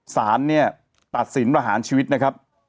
สารเนี่ยตัดสินประหารชีวิตนะครับ